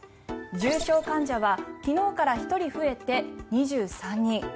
重症患者は昨日から１人増えて２３人。